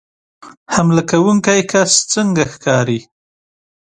حمله کوونکی کس څنګه ښکاري